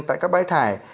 tại các bãi thải